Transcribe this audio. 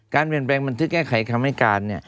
การเปลี่ยนแปลงบันทึกแก้ไขคำให้การ